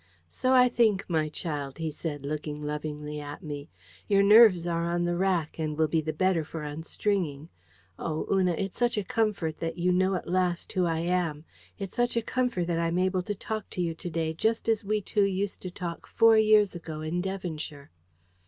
"So I think, my child," he said, looking lovingly at me. "Your nerves are on the rack, and will be the better for unstringing. Oh, Una, it's such a comfort that you know at last who I am! It's such a comfort that I'm able to talk to you to day just as we two used to talk four years ago in Devonshire!"